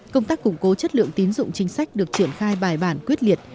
công tác củng cố chất lượng tín dụng chính sách được triển khai bài bản quyết liệt